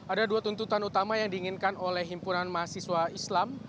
ada dua tuntutan utama yang diinginkan oleh himpunan mahasiswa islam